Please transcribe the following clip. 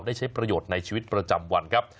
ได้ใช้ประโยชน์ในชีวิตประจำวันครับ